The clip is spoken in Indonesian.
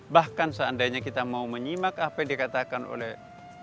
bahkan seandainya kita mau menyimak apa yang dikatakan oleh